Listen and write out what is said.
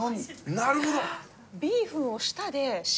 なるほど。